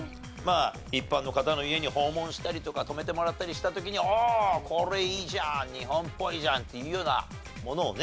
一般の方の家に訪問したりとか泊めてもらったりした時に「おおこれいいじゃん。日本っぽいじゃん！」っていうようなものをね